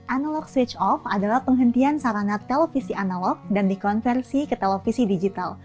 analog switch off adalah penghentian sarana televisi analog dan dikonversi ke televisi digital